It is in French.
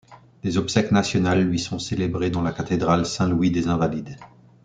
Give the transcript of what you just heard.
Des obsèques nationales lui sont célébrées dans la cathédrale Saint-Louis des Invalides.